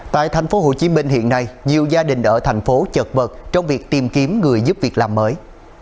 tại tp hcm hiện nay nhiều gia đình ở thành phố chật vật trong việc tìm kiếm người giúp việc làm mới